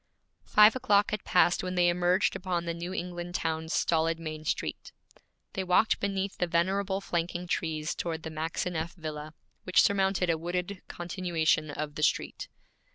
Five o'clock had passed when they emerged upon the New England town's stolid main street. They walked beneath the venerable flanking trees toward the Maxineff villa, which surmounted a wooded continuation of the street.